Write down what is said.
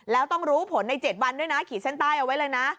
แล้วต้องรู้ผลใน๗วันด้วยนะขีดเส้นใต้เอาไว้เลยนะ